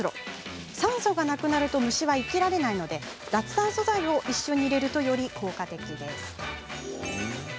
酸素がなくなると虫は生きられないので脱酸素剤を一緒に入れるとより効果的です。